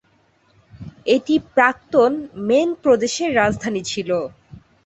এটি প্রাক্তন মেন প্রদেশের রাজধানী ছিল।